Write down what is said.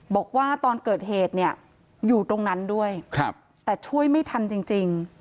บอกว่าตอนเกิดเหตุเนี่ยอยู่ตรงนั้นด้วยแต่ช่วยไม่ทันจริง